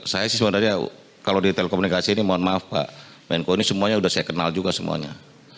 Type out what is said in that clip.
saya sih sebenarnya kalau di telekomunikasi ini mohon maaf pak menko ini semuanya sudah saya kenal juga semuanya